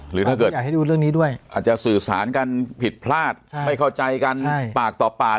หรือถ้าเกิดอยากให้ดูเรื่องนี้ด้วยอาจจะสื่อสารกันผิดพลาดไม่เข้าใจกันปากต่อปาก